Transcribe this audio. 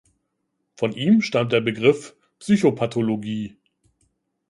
Von ihm stammt der Begriff „Psychopathologie“.